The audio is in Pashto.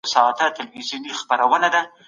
ایا په غره کي د مېوو موندل د روغتیا لپاره ښه دي؟